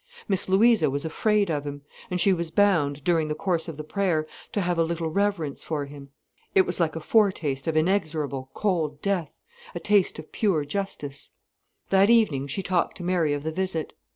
Miss Louisa was afraid of him. And she was bound, during the course of the prayer, to have a little reverence for him. It was like a foretaste of inexorable, cold death, a taste of pure justice. That evening she talked to Mary of the visit.